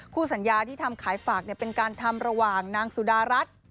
สัญญาที่ทำขายฝากเป็นการทำระหว่างนางสุดารัฐ